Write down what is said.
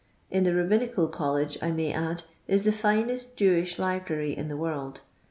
In the Babbinical College, I may add, is the finest Jewish library in the world.